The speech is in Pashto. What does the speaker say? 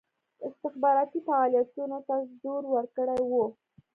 استخباراتي فعالیتونو ته زور ورکړی وو.